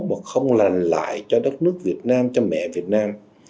mà không làm lại cho đất nước việt nam cho mẹ việt nam